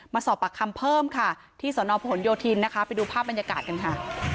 มาสอบปากคำเพิ่มค่ะที่สนพหนโยธินนะคะไปดูภาพบรรยากาศกันค่ะ